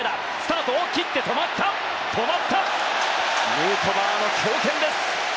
ヌートバーの強肩です。